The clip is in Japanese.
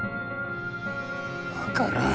分からん。